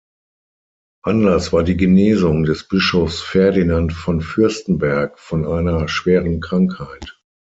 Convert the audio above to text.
Anlass war die Genesung des Bischofs Ferdinand von Fürstenberg von einer schweren Krankheit.